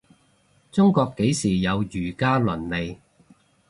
中國幾時有儒家倫理